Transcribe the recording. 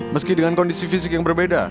meski dengan kondisi fisik yang berbeda